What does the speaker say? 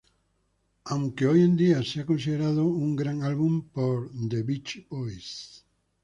Aunque hoy en día sea considerado un gran álbum por The Beach Boys.